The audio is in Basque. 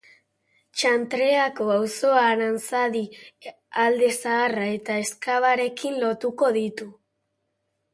Txantreako auzoa Aranzadi, Alde Zaharra eta Ezkabarekin lotuko ditu.